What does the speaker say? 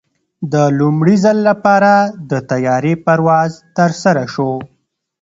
د لومړي ځل لپاره د طیارې پرواز ترسره شو.